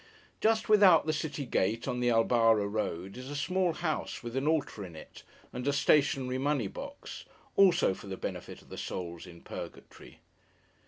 Just without the city gate, on the Albara road, is a small house, with an altar in it, and a stationary money box: also for the benefit of the souls in Purgatory.